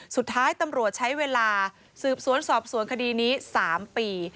สุดท้ายตำรวจใช้เวลาสืบสวนสอบสวนคดีนี้๓ปี